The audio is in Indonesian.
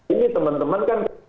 ini teman teman kan